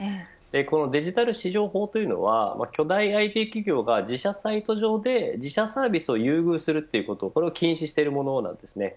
デジタル市場法というのはＩＴ企業が自社サイト上で自社サービスを優遇することこれを禁止するものなんですね。